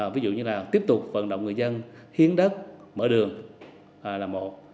ví dụ như là tiếp tục vận động người dân hiến đất mở đường là một